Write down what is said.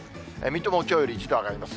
水戸もきょうより１度上がります。